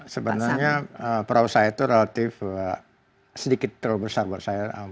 sebenarnya perahu saya itu relatif sedikit terlalu besar buat saya